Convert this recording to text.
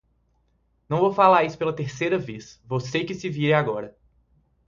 Não vou falar isso pela terceira vez, você que se vire agora.